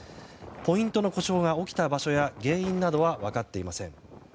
ポイントの故障が起きた場所や原因などは分かっていません。